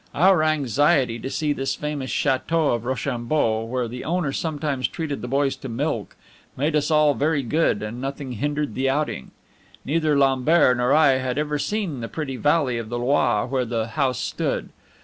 Our anxiety to see this famous chateau of Rochambeau, where the owner sometimes treated the boys to milk, made us all very good, and nothing hindered the outing. Neither Lambert nor I had ever seen the pretty valley of the Loire where the house stood.